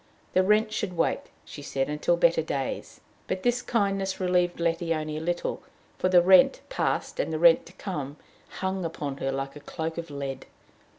The rent should wait, she said, until better days. But this kindness relieved Letty only a little, for the rent past and the rent to come hung upon her like a cloak of lead.